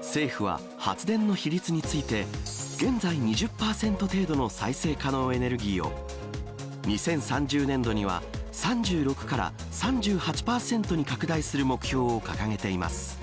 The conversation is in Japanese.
政府は発電の比率について、現在２０％程度の再生可能エネルギーを、２０３０年度には、３６から３８％に拡大する目標を掲げています。